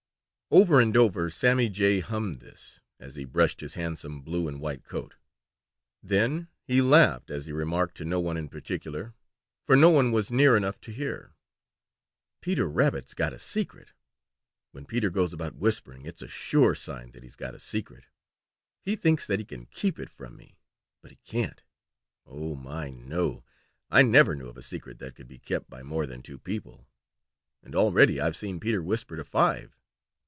Over and over Sammy Jay hummed this, as he brushed his handsome blue and white coat. Then he laughed as he remarked to no one in particular, for no one was near enough to hear: "Peter Rabbit's got a secret. When Peter goes about whispering, it's a sure sign that he's got a secret. He thinks that he can keep it from me, but he can't. Oh, my, no! I never knew of a secret that could be kept by more than two people, and already I've seen Peter whisper to five.